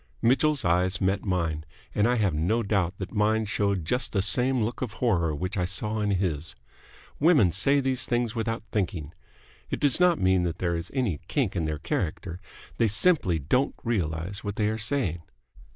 Mitchell's eyes met mine, and I have no doubt that mine showed just the same look of horror which I saw in his. Women say these things without thinking. It does not mean that there is any kink in their character. They simply don't realize what they are saying.